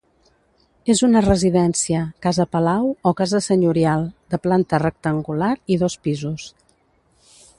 És una residència, casa-palau, o casa senyorial, de planta rectangular i dos pisos.